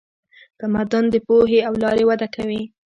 تمدن د پوهې له لارې وده کوي.